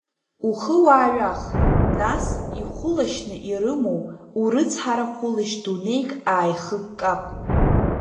Ухы уааҩах, нас, ихәылашьны ирымоу, урыцҳара хәылашь дунеик ааихыккап.